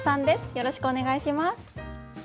よろしくお願いします。